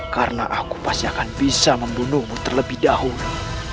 karena aku pasti akan bisa membunuhmu terlebih dahulu